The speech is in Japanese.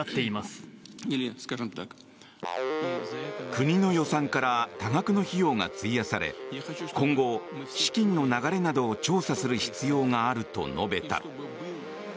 国の予算から多額の費用が費やされ今後、資金の流れなどを調査する必要があると述べた。